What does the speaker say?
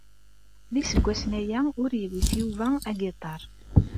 D iseggasen-aya ur iwit Yuba agiṭar.